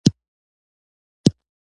نوې تجربه ژوند ته ارزښت ورکوي